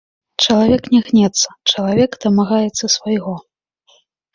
Чалавек не гнецца, чалавек дамагаецца свайго.